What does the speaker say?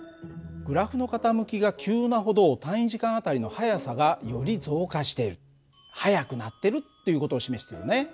グラフの傾きが急なほど単位時間あたりの速さがより増加している速くなってるっていう事を示してるよね。